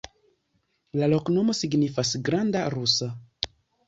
La loknomo signifas: granda rusa.